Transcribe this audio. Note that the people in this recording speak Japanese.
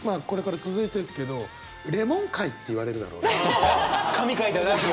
これから続いていくけどレモン回っていわれるだろうな。